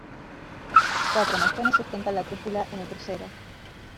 Cuatro machones sustentan la cúpula en el crucero.